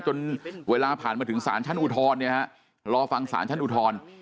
จนเวลาผ่านมาถึงสารชั้นอุทธรณ์รอฟังสารชั้นอุทธรณ์